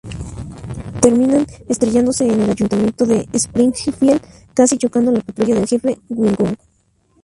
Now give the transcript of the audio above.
Terminan estrellándose en el Ayuntamiento de Springfield, casi chocando la patrulla del jefe Wiggum.